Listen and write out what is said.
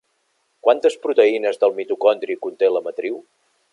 Quantes proteïnes del mitocondri conté la matriu?